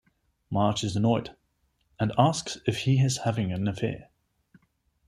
Marge is annoyed, and asks if he is having an affair.